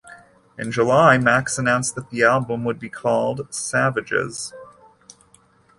In July Max announced that the album would be called "Savages".